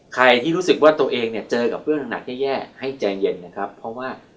ใครที่รู้สึกว่าตัวเองเนี่ยเจอกับเพื่อนหนักแย่ให้ใจเย็นนะครับเพราะว่า